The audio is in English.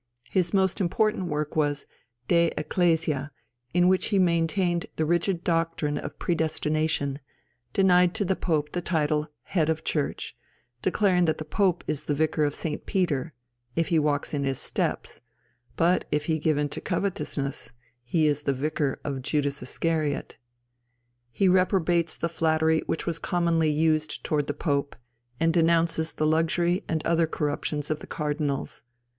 His most important work was his De Ecclesiâ, in which he maintained the rigid doctrine of predestination, denied to the Pope the title of Head of the Church, declaring that the Pope is the vicar of St. Peter, if he walk in his steps; but if he give in to covetousness, he is the vicar of Judas Iscariot. He reprobates the flattery which was commonly used towards the Pope, and denounces the luxury and other corruptions of the cardinals.